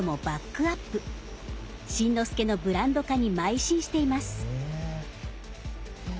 新之助のブランド化にまい進しています。